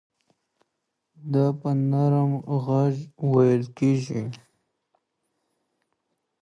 دا په نرم غږ وېل کېږي.